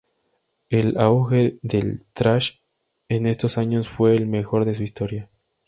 El auge del thrash en estos años fue el mejor de su historia.